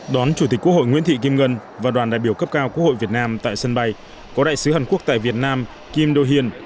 đón chủ tịch quốc hội nguyễn thị kim ngân và đoàn đại biểu cấp cao quốc hội việt nam tại sân bay có đại sứ hàn quốc tại việt nam kim do hiên